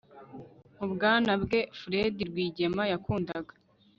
mu bwana bwe, fred rwigema yakundaga